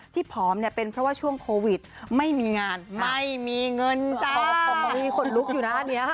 ผอมเนี่ยเป็นเพราะว่าช่วงโควิดไม่มีงานไม่มีเงินจ่ายก็ไม่มีคนลุกอยู่หน้านี้ค่ะ